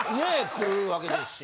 来るわけですし。